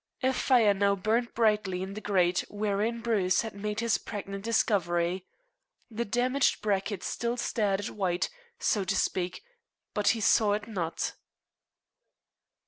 A fire now burned brightly in the grate wherein Bruce had made his pregnant discovery. The damaged bracket still stared at White, so to speak, but he saw it not.